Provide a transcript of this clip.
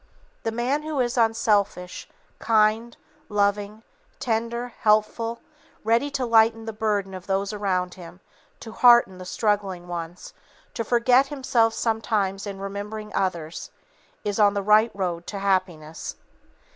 The man who is unselfish, kind, loving, tender, helpful, ready to lighten the burden of those around him, to hearten the struggling ones, to forget himself sometimes in remembering others, is on the right road to happiness.